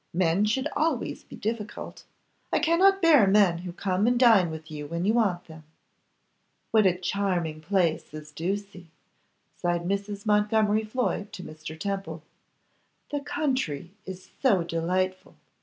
Men should always be difficult. I cannot bear men who come and dine with you when you want them.' 'What a charming place is Ducie!' sighed Mrs. Montgomery Floyd to Mr. Temple. 'The country is so delightful.